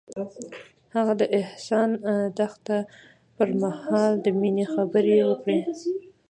هغه د حساس دښته پر مهال د مینې خبرې وکړې.